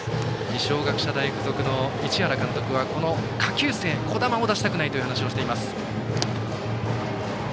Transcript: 二松学舎大付属の市川監督はこの下級生、樹神を出したくないと話をしています。